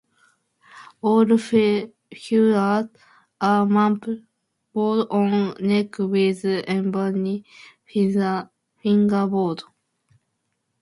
All featured a maple bolt-on neck with ebony fingerboard.